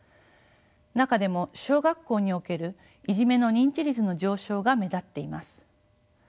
中でも小学校におけるいじめの認知率の上昇が目立っています。